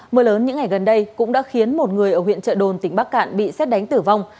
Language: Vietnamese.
mưa lớn những ngày gần đây cũng đã khiến một người ở huyện trợ đồn tỉnh bắc cạn bị xét đánh tử vong